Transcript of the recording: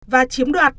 và chiếm đoạt